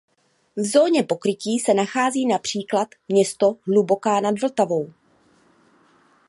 V zóně pokrytí se nachází například i město Hluboká nad Vltavou.